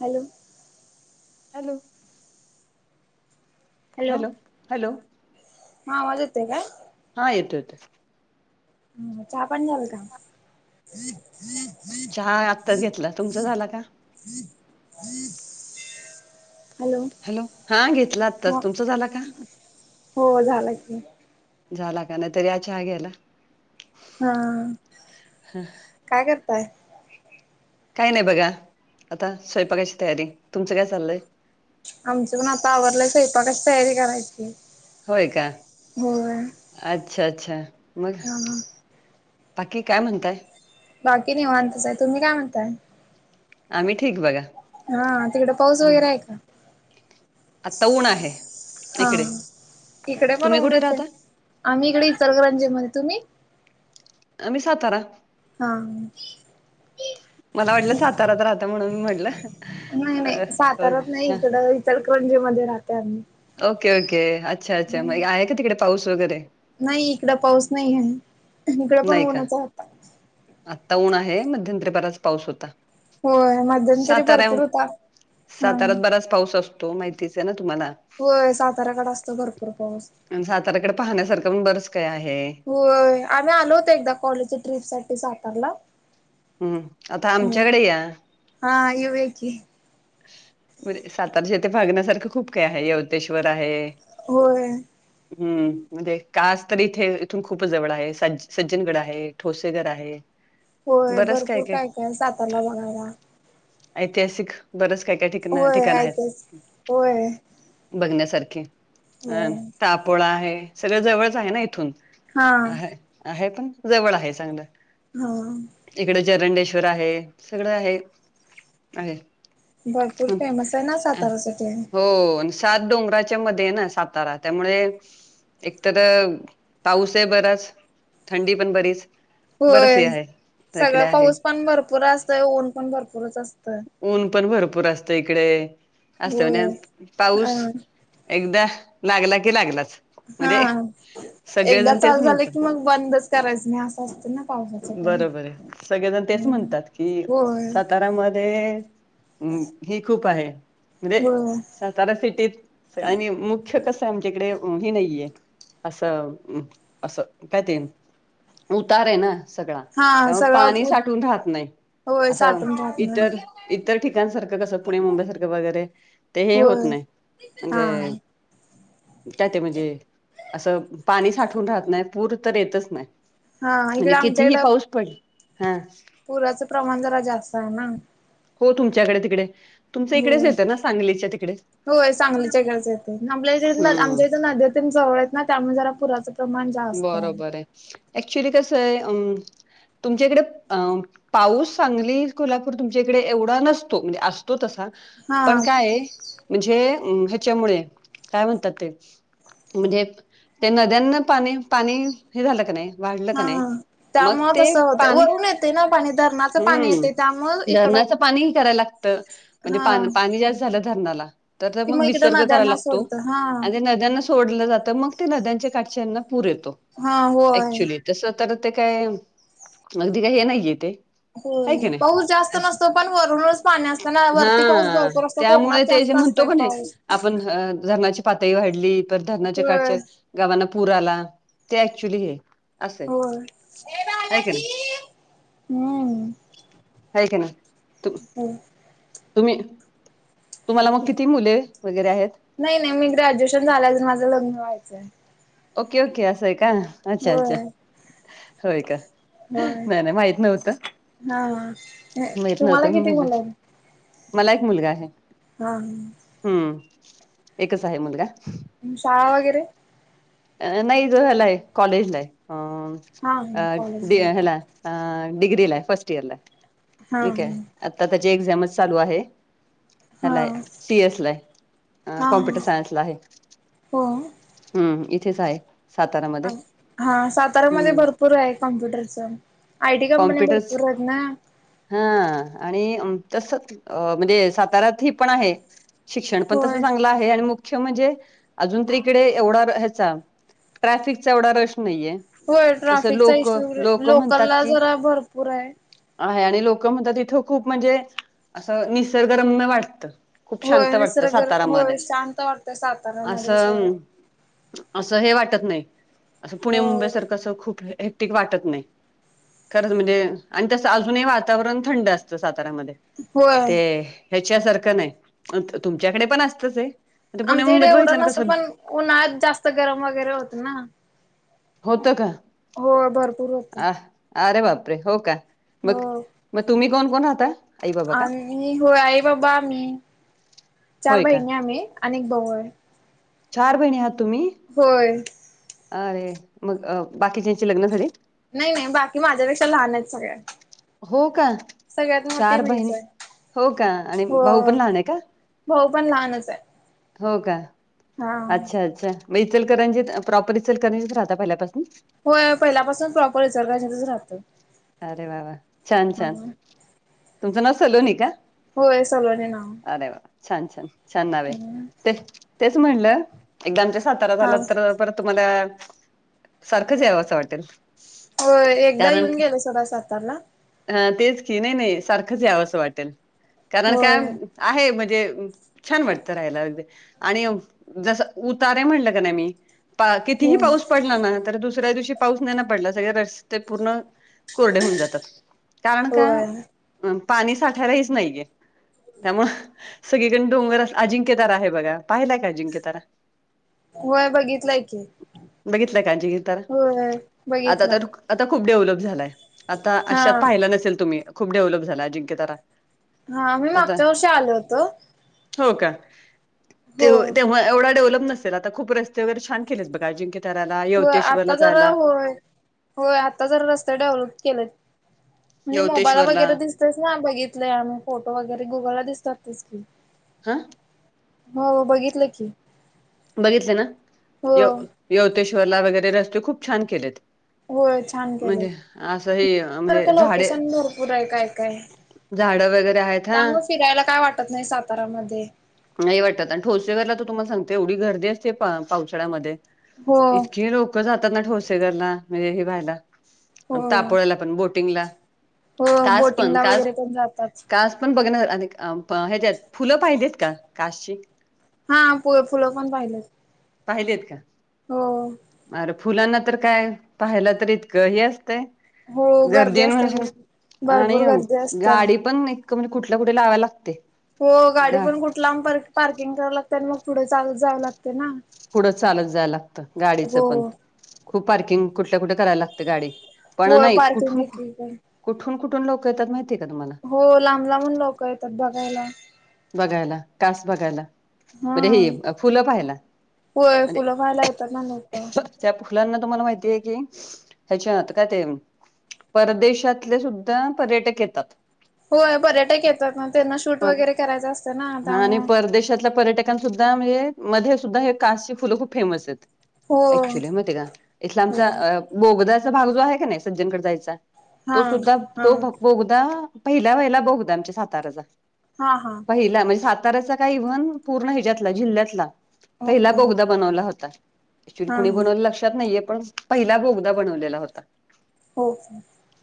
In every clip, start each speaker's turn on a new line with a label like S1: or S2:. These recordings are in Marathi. S1: हॅलो!
S2: हॅलो!
S1: हॅलो, हा आवाज येतोय काय?
S2: हा येतो येतो!
S1: हम्म, चहा पाणी झाल का? [inaudible]
S2: चहा आत्ता घेतला तुमच झाला का
S1: [inaudible]
S2: हॅलो हा घेतला
S1: हो
S2: आत्ताच, तुमचं झाल का?
S1: हो झाला की
S2: झाला का नाही तर या चहा घ्यायला
S1: हा काय करताय
S2: काय नाही बघा आता स्वयंपाकाची तयारी तुमचं काय चाललंय?
S1: आमचं म आता आवरलंय स्वयपाकच तयारी करायची.
S2: होय का
S1: होय हा
S2: अच्छा अच्छा मग?
S1: हा
S2: बाकी काय म्हणताय?
S1: बाकी निवांतच आहे तुम्ही काय म्हणताय?
S2: आम्ही ठीक बघा.
S1: हा तिकडे पाऊस वगैरे आहे का?
S2: आता ऊन आहे
S1: हा
S2: इकडे
S1: इकडे पण
S2: तुम्ही कुठे
S1: ऊनच आहे..
S2: राहता
S1: आम्ही इकडे इचलकरंजीमध्ये तुम्ही
S2: आम्ही सातारा.
S1: हा
S2: मला वाटलं साताारत राहत म्हणून मी म्हटलं
S1: नाही
S2: अ,
S1: नाही
S2: अ
S1: सातारात नाही इकडं इचलकरंजी मध्ये राहतय आम्ही
S2: ओके, ओके अच्छा, अच्छा मग आहे का तिकडे पाऊस वगैरे
S1: नाही इकड पाऊस नाही आहे इकड पण
S2: नाही का
S1: ऊनच आहे आता
S2: आत्ता ऊन आहे मध्यंतरी बराच पाऊस होता.
S1: होय मध्यमंतरी
S2: साताऱ्या
S1: भरपूर होता ह
S2: साताऱ्यात बराच पाऊस असतो माहितीच आहे ना तुम्हाला
S1: होय साताऱ्याकडे असतो भरपूर पाऊस
S2: आणि साताऱ्याकडे पाहण्यासारखं पण बरंच काय आहे.
S1: होय, आम्ही आलो होतो एकदा कॉलेजच्या ट्रीप साठी सातारला.
S2: हम्म आता
S1: हो
S2: आमच्याकडे या.
S1: हा हा, येऊया की.
S2: म्हणजे साताराच्या येथे भागण्यासारखं खूप काय आहे यवतेश्वर आहे.
S1: होय.
S2: हम्म म्हणजे कास तररी इथे इथून खूप जवळ आहे सज्ज सज्जनगड आहे ठोसेगड आहे.
S1: होय भरपूर काय काय साताला बघायला.
S2: ऐतिहासिक बरेच काय काय
S1: होय
S2: ठिकण-ठिकाण आहेत.
S1: ऐकच होय
S2: बघण्यासारखे अ
S1: होय
S2: तापोळा आहे सगळं जवळच आहे ना इथून
S1: हा
S2: आहे आहे पण जवळ आहे चांगलं.
S1: हो.
S2: इकडे जरंडेश्वर आहे सगळं आहे, आहे.
S1: भरपूर
S2: अन
S1: फेमस आहे ना
S2: अन
S1: साताऱ्यासाठी
S2: हो अंश सात डोंगराच्या मध्ये ना सातारा त्यामुळे. एकतर पाऊस आहे बराच थंडी पण बरीच बरच हे
S1: होय
S2: आहे तिकडे
S1: सगळं
S2: आहे
S1: पाऊस पण भरपूर असतंय आणि ऊन पण भरपूरच असतं.
S2: ऊन पण भरपूर असत इकडे असत
S1: होय
S2: म्हणजे
S1: अ
S2: पाऊस. एकदा लागला की लागलाच.
S1: हा
S2: म्हणजे
S1: हा एकदा
S2: सगळेजण तेच
S1: चालु झालं
S2: म्हणतात
S1: की मग बंदच करायचं नाही असं असतं ना. पावसाचं टाइम.
S2: बरोबर आहे सगळेजण तेच
S1: हम्म
S2: म्हणतात कि
S1: होय
S2: सातारामध्ये. हम्म ही खूप आहे म्हणजे
S1: होय
S2: सात त सिटीत आणि मुख्य कस आमच्या इकडे ह नाहीये. असं असं काय ते उतार आहे ना. सगळा
S1: हा
S2: त्यामुळे पाणी
S1: सगळं उ
S2: साठून राहत नाही
S1: होय
S2: असं
S1: साठून राहत
S2: इतर.
S1: नाही
S2: इतर ठिकाणसारखं कसं पुणे मुंबई सारखं वगैरे ते हे होत
S1: होय
S2: नाही
S1: हा
S2: म्हणजे त्या ते म्हणजे असं पाणी साठवून राहत नाही पूर तर येतच नाय.
S1: हा इकडे
S2: आणि
S1: आमच्या
S2: कितीही
S1: इकडं
S2: पाऊस पडेल, हा
S1: पुराचं प्रमाण जरा जास्त आहे ना.
S2: हो तुमच्याकडे तिकडे तुमचं इकडेच
S1: हो
S2: येतं ना सांगलीच्या तिकडे.
S1: होय, सांगलीच्या घरच येते आपल्याच्या
S2: हम्म
S1: आमच्या इथ नाद्यात जवळ आहेत ना, त्यामुळे जरा पुराचं प्रमाण
S2: बरोबर आहे, ऍक्च्युली कसं आहे अ तुमच्याकडे अ पाऊस चांगली कोल्हापूर तुमच्याकडे एवढा नसतो, म्हणजे असतो तसा
S1: हा
S2: पण काय म्हणजे ह्याच्यामुळे, काय म्हणतात ते, म्हणजे त्यांना त्यांना पाणी, पाणी हे झालं क नाही वाढलं का
S1: हा.
S2: नाही मग
S1: त्यामुळे
S2: ते
S1: तसं होतंय
S2: पाणी
S1: वरून येते ना पाणी धरणाचं पाणी
S2: हम्म
S1: येते त्यामुळे इकडं
S2: झरनाचा पाणीही करायला लागतं, म्हणजे पा
S1: हा
S2: पाणी जास्त झालं झरनाला तर तर
S1: ती
S2: मग
S1: इकडं
S2: विसर्ग करायला
S1: नद्यांना
S2: लागतो
S1: सोडत हा
S2: आणि नद्यांना तोडलं जातं मग ते नद्यांच्या काठच्यांना पूर येतो
S1: हा होय
S2: ऍक्च्युली तसं कर ते काय मगदी काय हे नाहीये ते. आहे
S1: होय
S2: की नाही
S1: पाऊस जास्त
S2: असं.
S1: नसतो पण वरूनच पाणी असताना वरती पाऊस
S2: हा
S1: भरपूर अस
S2: त्यामुळे ते जे म्हणतो का नाही, आपण धरणाची पातळी वाढली, प धरणाच्या
S1: होय
S2: काठच्या गावांना पूर आला, ते ऍक्च्युली हे असं आहे
S1: हो,
S2: हाय
S1: हम्म
S2: हाय की तू
S1: हो-
S2: तुम्ही तुम्हाला मग किती मुले वगैरे आहेत?
S1: नाही नाही मी ग्रॅज्युएशन झाल्या अजून माझं लग्न व्हायचंय.
S2: ओके ओके असं आहे का अच्छा अच्छा
S1: होय
S2: होय का?
S1: होय
S2: मला माहित नव्हत,
S1: हा
S2: माहित नव्हत
S1: तुम्हाला किती
S2: मला
S1: मुलं आहेत
S2: मला एक मुलगा आहे.
S1: हा.
S2: हम्म एकच आहे मुलगा.
S1: आणि शाळा वगैरे
S2: अ नाही, तो याला आहे कॉलेज ला [unintelligible]
S1: हा
S2: अ
S1: कॉलेजला
S2: डिग्री ला फर्स्ट इयर ला
S1: हा
S2: ठीक आहे आता त्याची एक्झामच चालू आहे.
S1: हा
S2: हलाय, सीएस ला आहे,
S1: हा हा
S2: कॉम्प्युटर सायन्स ला आहे.
S1: हो
S2: हम्म, इथेच आहे. सातारामध्ये
S1: हा साताऱ्यामध्ये
S2: हम्म
S1: भरपूर आहे कॉम्प्युटरचा. आयटी कंपनी,
S2: कॉम्प्युटर्स
S1: भरपूर आहेत ना.
S2: हा आणि अम तसं थी अ म्हणजे साताऱ्यात ही पण आहे. शिक्षण पण तसं
S1: होय
S2: चांगलं आहे आणि मुख्य म्हणजे अजून तर इकडे एवढा रा हे चाल ट्रॅफिक चा एवढा रश नाहीये.
S1: होय
S2: तसं
S1: ट्रॅफिकचा
S2: लोक
S1: इशू
S2: लोक
S1: लोकल
S2: म्हणतात
S1: ला
S2: की
S1: जरा भरपूर आहे.
S2: आहे आणि लोक म्हणतात, तिथं खूप म्हणजे असं निसर्गरम्य वाटत. खूप शांत
S1: होय
S2: वाटतं
S1: निसर्ग
S2: सातारा मध्ये
S1: होय शांत वाटतं साताऱ्यामध्ये
S2: असं
S1: सोडं
S2: असं हे वाटत नाही असं पुणे मुंबई
S1: हो.
S2: सारखं असं खूप हे ते वाटत नाही, खरंच म्हणजे आणि तसं अजूनही वातावरण थंड असतं साताऱ्यामध्ये.
S1: होय
S2: ते ह्याच्यासारखं नाही अन तू तुमच्याकडे पण असतच हे.
S1: आमच्या इडे एवड नसतं पण, उन्हाळ्यात जास्त गरम वगैरे होत ना.
S2: होत का
S1: होय भरपूर होतं
S2: आ अरे वापरे हो का बग मग तुम्ही कोण, कोण राहताय
S1: आणि हो आई बाबा आम्ही चार
S2: होय का
S1: बहिणी आम्ही अनेक भाऊ आहे
S2: चार बहिणी आहात तुम्ही?
S1: होय.
S2: अरे मग बाकी च्यांचे लग्न झाले?
S1: नाही, नाही बाकी माझ्यापेक्षा लहान आहेत सगळ्या
S2: हो का?
S1: सगळ्यात मोठी
S2: चार
S1: मीच
S2: बहिणी
S1: आहे.
S2: हो का आणि
S1: हो
S2: भाऊ पण लहान आहे का?
S1: भाऊ पण लहानच आहे.
S2: हो का
S1: हा
S2: अच्छा, अच्छा मग इचलकरंजीत प्रॉपर इचलकरंजीत राहता पहिल्यापासून
S1: होय, पहिल्यापासून प्रॉपर इचलकरंजीत च राहतं.
S2: अरे वाव! छान छान, तुमचं नाव सलोनी का?
S1: होय, सलोनी नाव.
S2: अरे वा छान, छान नाव आहे ते तेच म्हणलं एकदा आमच्या सातारा
S1: हा
S2: झालात तर, परत तुम्हाला सारखंच यावं असं वाटेल.
S1: हो एकदा येऊन गेले सोडा सातारला
S2: ह तेच की नाही, नाही सारखंच यावं असं वाटेल कारण
S1: होय
S2: काय आहे म्हणजे छान वाटतं राहायला, आणि जस उतारे म्हणलं का नाही मी. कितीही
S1: होय
S2: पाऊस पडला ना, तर दुसऱ्या दिवशी पाऊस नाही ना पडला सगळे रस्ते पूर्ण कोरडे होऊन जातात, कारण का
S1: होय
S2: पाणी साठायला हेच नाहीये. त्यामु सगळीकडे डोंगर, अजिंक्य तारा आहे बघा पाहिलाय काय अजिंक्य तारा?
S1: होय बघितलंय की
S2: बघितलंय अजिंक्यतरार?
S1: होय
S2: आताता
S1: बघितला
S2: आता खूप डेव्हलप झालाय. आता
S1: हा
S2: अशात पाहिला नसेल तुम्ही, खूप डेव्हलप झाला अजिंक्यतारा.
S1: हा मी मागच्या वर्षी आलो होतो
S2: हो का? ते
S1: हो
S2: तेव्हा एवढ डेव्हलप नसेल, आता खप रस्ते वैरे छान केलेच बगा अजिंक्य.
S1: हो आता जरा होय होय आता जर रस्ते डेव्हलप केलेत म्हणजे मोबाईल
S2: यवतेश्वरला
S1: वगैरे दिस तेच ना, बघितलं आम्ही फोटो वगैरे गुगलला दिसतात तेच की.
S2: आ
S1: हो बघितलं की
S2: बघितले ना?
S1: हो
S2: य योतेश्वरला वगैरे रस्ते खूप छान केलेत.
S1: होय छान केलंय.
S2: म्हणजे असं ह म्हणजे
S1: सारखं
S2: झाडे
S1: लोकेशन भरपूर आहे काय काय
S2: झाडं वगैरे आहेत, हा.
S1: त्यामुळे फिरायला काय वाटत नाही सातारामध्ये
S2: नाही वाटत आणि ठोसेघरला त तुम्हाला सांगते एवढी गर्दी असते पावसाळ्यामध्ये
S1: हो
S2: इतकीे लोक जातात ना ठोसेगरला म्हणजे हे व्हायला
S1: हो
S2: तापोळाला पण बोटिंगला
S1: हो
S2: कास पण
S1: बोटिंगला
S2: कास
S1: वगैरे पण जातात
S2: कास पण बघणा फुल पाहिली का काशचे
S1: हा फुलं पण पाहिलेत
S2: पाहिले आहेत का?
S1: हो
S2: अर फुलांना तर काय पाहायला तर इतकं ह असतय
S1: हो
S2: गर्दी
S1: असते
S2: म्ह
S1: बरोबर.
S2: आणि
S1: भरपूर गर्दी असत्या.
S2: गाडी पण नाही कुम कुठल्या कुठे लावाव लागतय
S1: हो, गाडी पण कुठला पप्किंग कराव लागते आणि मग पुढे चालत जावं लागत.
S2: पुढं चालत जायला लागत गाडीचं
S1: हो
S2: पण. खूप पार्किंग कुठल्या कुठे करायला लागते गाडी पण
S1: हो
S2: नाही
S1: पार्किंग
S2: कुठून
S1: एकीकडे
S2: कुठून कुठून लोकं येतात माहिती आहे का तुम्हाला?
S1: हो लांब-लांबून लोकं येतात बघायला.
S2: बघायला कास बघायला
S1: हा
S2: अरे हे फुलं पाहाला
S1: होय
S2: आरे
S1: फुलं पाहायला येतात ना लोक
S2: त्या फुलांना तुम्हाला माहितीय कि ह्याच्यात काय ते परदेशातले सुद्धा पर्यटक येतात
S1: होय पर्यटक येतात म त्यांना शूट
S2: पण
S1: वगैरे करायचं अस
S2: हा आणि परदेशातल्या पर्यटकांसुद्धा म्हणजे मध्ये सुद्धा हे कासची फुलं खूप फेमस आहेत.
S1: हो
S2: ऍक्च्युली माहिती आहे का इथला
S1: हो
S2: आमचा अ बोगदाचा भाग जो आहे का नाही सज्जनगड जायचा तो
S1: हा
S2: सुद्धा
S1: हा
S2: तो बोगदा पहिल्या वहिला बोगदा आमच्या साताराचा.
S1: हा हा
S2: पहिला म्हणजे साताऱ्याचा काही म्हण, पूर्ण ह्याच्यातला जिल्ह्यातला पहिला
S1: ओके
S2: बोगदा बनवलं होता
S1: हा
S2: चिरकुणी
S1: हा
S2: बनवला लक्षात नाहीये पण पहिला बोगदा बनवलेला होता.
S1: हो.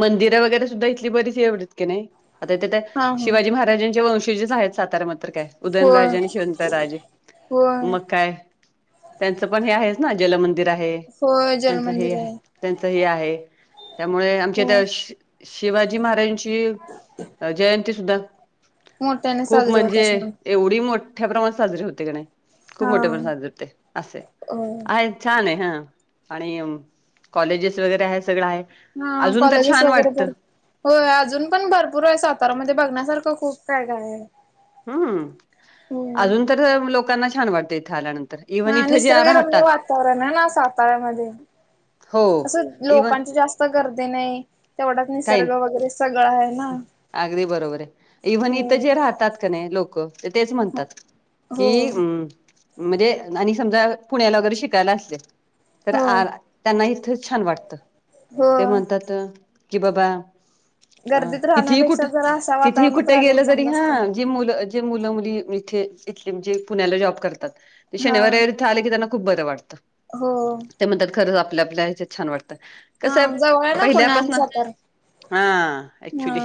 S2: मंदिरं वगैरे सुद्धा इथली बरीच एवढत की नाही आता इथ त्यात
S1: हा
S2: शिवाजी महाराजांच्या वंशीजच आहेत सातारामध्ये. तर काय
S1: होय
S2: उदयनराज आणि शेवंता राजे
S1: होय
S2: मग काय? त्यांचं पण हे आहेच ना जलमंदिर आहे
S1: होय
S2: त्यांचं हे
S1: जलमंदिर
S2: आहे. त्यांच हे आहे त्यामुळे आमच्या
S1: हो
S2: इथं शि शिवाजी महाराजांची चीव अ जयंती सुद्धा
S1: मोठ्याने
S2: खूप
S1: साजरी होत
S2: म्हणजे
S1: असणार
S2: एवढी मोठ्या प्रमाणात साजरी होते का नाही. खूप
S1: हा
S2: मोठे प्रसादते असे
S1: होय
S2: आहेत आय छान आहे हा आणि कॉलेजेस वगैरे आहे सगळं आहे.
S1: हा
S2: अजून तर
S1: कॉलेजेस
S2: छान
S1: वगैरे
S2: वाटतं
S1: भर होय अजून पण भरपूर आहे सातारामध्ये बघण्यासारखं खूप काय काय आहे.
S2: हम्म
S1: हो
S2: अजून तर लोकांना छान वाटतं इथे आल्यानंतर इव्हन
S1: हा
S2: इथं जे
S1: निसर्गरम्य
S2: राहतात
S1: वातावरण आहे ना साताऱ्यामध्ये
S2: हो
S1: असं
S2: इव्हन
S1: लोकांचे जास्त चा करते नाय.
S2: काही नई, अगदी बरोबर आहे इव्हन इथं
S1: हो.
S2: जे राहतात का नाही लोक. ते तेच म्हणतात
S1: हो
S2: कि उम्म म्हणजे आणि समजा पुण्याला वगैरे शिकायला असले तर
S1: हो
S2: आर त्यांना इथं छान वाटतं
S1: हो.
S2: ते म्हणतात कि बाबा अ
S1: गर्दीत
S2: कितीही कुठ,
S1: राहण्यापेक्षा जरा अशा
S2: कितीही
S1: वातावरणात
S2: कुठे
S1: राहिलेला
S2: गेलं तरी
S1: चांगलं असतं.
S2: हा. जे मुलं जे मुलं-मुली इथे इथले म्हणजे पुण्याला जॉब करतात ते
S1: हा
S2: शनिवार इथे आले की त्यांना खूप बरं वाटतं.
S1: हो
S2: ते म्हणतात खरं आपल्या आपल्या हेच्यात छान वाटतं
S1: हा
S2: कसं
S1: जवळ
S2: आहे
S1: ना पुणे आणि
S2: पहिल्यापासनं
S1: सातारा.
S2: हा
S1: हा
S2: एक्चुली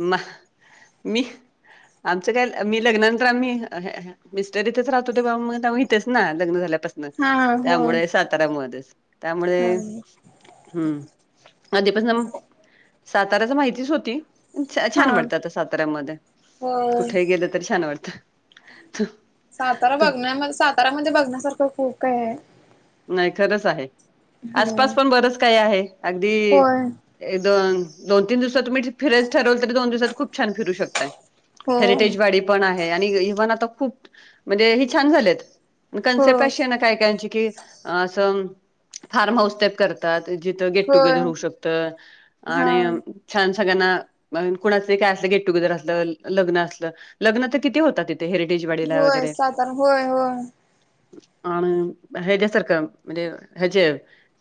S2: म मी आमचं काय मी लग्नानंतर आम्ही हेया हेया मिस्टर इथेच राहतो ते बा मग त्या मी इथेच ना लग्न झाल्यापासून
S1: हा होय
S2: त्यामुळे सात ताऱ्या मध्येच मुळे त्यामुळे
S1: हा
S2: हम्म आधीपासनं साताऱ्याचा माहितीच होती. छा
S1: हा.
S2: छान वाटतं आता साताऱ्यामध्ये
S1: होय
S2: कुठेही गेलं तरी छान वाटतं.
S1: सातारा बघण्या सातारामध्ये बघण्यासारखं खूप काय आहे.
S2: नाही खरंच आहे
S1: हो
S2: आसपास पण बरंच काही आहे अगदी
S1: होय
S2: एक-दोन दोन-तीन दिवसात तुम्ही फिरायचं ठरवल तरी दोन दिवसात खूप छान फिरू शकताय.
S1: हो
S2: हेरिटेज वाडी पण आहे आणि ही पण आता खूप म्हणजे ही छान झालेत. कन्सेप्ट
S1: हो.
S2: अशी आहे ना काही काहींची की असं फार्म हाऊस तेप कर तात जिथं गेट
S1: होय
S2: टुगेदर होऊ शकतं
S1: हा
S2: आणि छान सगळ्यांना कुणाचं काय असलं गेट टुगेदर असलं लग्न असलं लग्न तर किती होतात ती ते हेरिटेजवाडीला
S1: होय
S2: वगैरे
S1: सातारा होय होय
S2: आणि हेज्या सारखं म्हणजे हेजे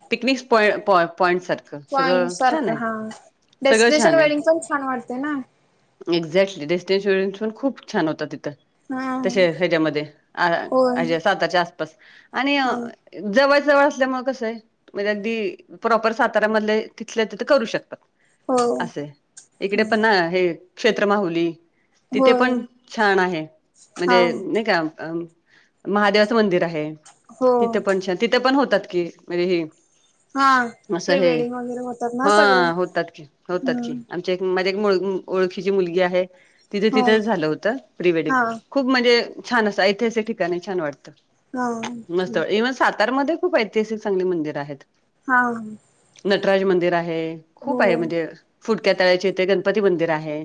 S2: पिकनिकस पॉई पॉई पॉईंट सार
S1: पॉईंट सारखं हा,
S2: सगळं
S1: डेस्टिनेशन
S2: छान
S1: वेडिंग
S2: आहे
S1: पण छान वाटते ना?
S2: एक्झॅक्टली डेस्टिनेशन पण, खूप छान होता तिथं
S1: हा
S2: तसे हच्यामध्ये, अ
S1: होय
S2: ह्याच्या साताच्या आसपास आणि अ
S1: हा हो
S2: जवळ जवळ असल्यामुळे, कसं आहे म्हणजे अगदी, प्रॉपर साताऱ्यामधल तिथल्या तथे करू शकतात- असं, इकडे पण ना हे क्षेत्र माहुली तिथे
S1: होय
S2: पण छान आहे,
S1: हा
S2: म्हणजे नाही का अ महादेवाचं मंदिर आहे,
S1: हो
S2: तिथे पण तिथे पण होतात की म्हणजे ह
S1: हा
S2: असं
S1: प्री
S2: हे,
S1: वेडिंग वगैरे होतात ना
S2: हा
S1: सगळे
S2: होतात की होतात की
S1: हम्म
S2: माझ्या ओळखीची मुलगी आहे, तिथं
S1: हो
S2: तिथंच झालं होत प्रीवेडिंग
S1: हा हा
S2: खूप म्हणजे, छान असं ऐतिहासिक ठिकाणी छान वाटतं.
S1: हा.
S2: मस्त इव्हन सातारमध्येध्ये खूप ऐतिहासिक, चांगली मंदिर आहेत.
S1: हा.
S2: नटराज मंदिर आहे खूप आहे, म्हणजे फुटक्या तळ्याचेथे गणपती मंदिर आहे.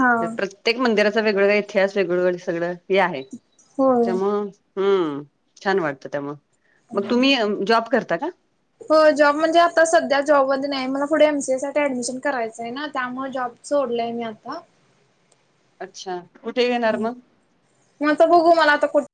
S1: हा
S2: प्रत्येक मंदिराचा वेगवेगळा इतिहास, वेगवेगळ सगळं हे आहे,
S1: होय
S2: त्यामु हम्म छान वाटतं त्यामु मग तुम्ही, जॉब करता का?
S1: हो जॉब म्हणजे आता सध्या जॉबमध्ये नाही, मला पुढे एमसी एस साठी ऍडमिशन करायचं आहे ना त्यामुळे जॉब सोडलेय, मी आता.
S2: अच्छा! कुठे घेणार मग?
S1: मग तर बघू, मला आता कुठ